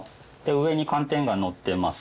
上に寒天がのってます。